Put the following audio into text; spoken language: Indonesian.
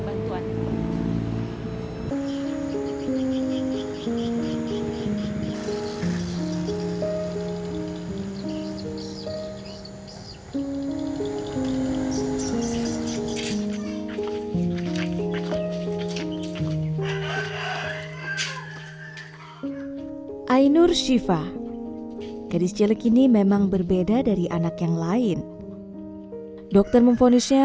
aynur siva gadis jelek ini memang berbeda dari anak yang lain dokter memfonisnya